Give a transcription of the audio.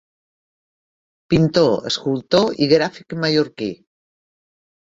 Pintor, escultor i gràfic mallorquí.